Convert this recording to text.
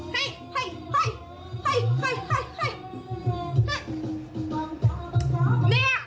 เนี่ย